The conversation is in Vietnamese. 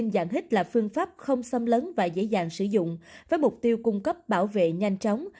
dạng hết là phương pháp không xâm lấn và dễ dàng sử dụng với mục tiêu cung cấp bảo vệ nhanh chóng